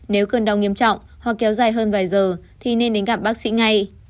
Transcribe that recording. nếu cơn đau nghiêm trọng hoặc kéo dài hơn vài giờ thì nên đến gặp bác sĩ ngay